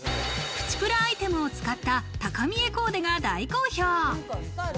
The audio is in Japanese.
プチプラアイテムを使った、高見えコーデが大好評。